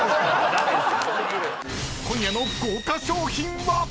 ［今夜の豪華賞品は⁉］